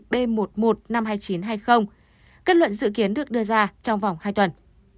b một mươi một năm mươi hai nghìn chín trăm hai mươi kết luận dự kiến được đưa ra trong vòng hai tuần